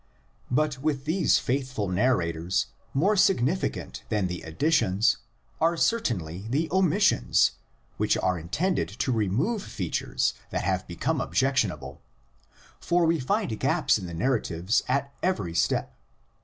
But with these faithful narrators more significant than the additions are certainly the omissions which are intended to remove features that have become objectionable; for we find gaps in the narratives at every step.